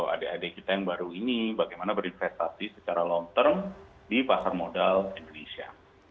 adik adik kita yang baru ini bagaimana berinvestasi secara long term di pasar modal indonesia